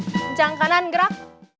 kencang kanan gerak